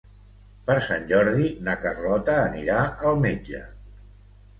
Per Sant Jordi na Carlota anirà al metge.